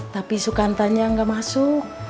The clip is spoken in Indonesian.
tapi sukantanya gak masuk